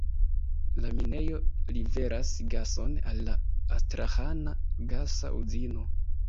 La minejo liveras gason al la Astraĥana gasa uzino.